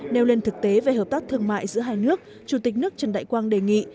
nêu lên thực tế về hợp tác thương mại giữa hai nước chủ tịch nước trần đại quang đề nghị